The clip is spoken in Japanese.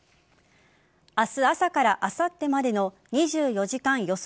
明日朝からあさってまでの２４時間予想